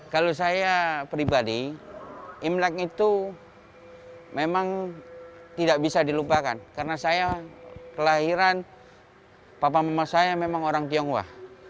kalau saya pribadi imlek itu memang tidak bisa dilupakan karena saya kelahiran papa mama saya memang orang tionghoa